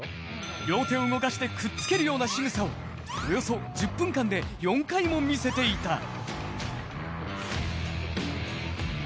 両手を動かしてくっつけるようなしぐさをおよそ１０分間で４回も見せていた。